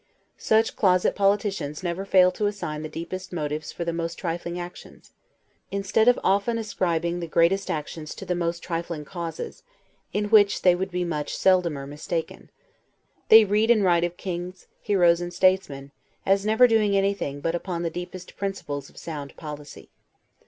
Such closet politicians never fail to assign the deepest motives for the most trifling actions; instead of often ascribing the greatest actions to the most trifling causes, in which they would be much seldomer mistaken. They read and write of kings, heroes, and statesmen, as never doing anything but upon the deepest principles of sound policy.